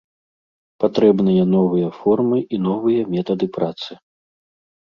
Патрэбныя новыя формы і новыя метады працы.